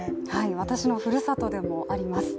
私のふるさとでもあります。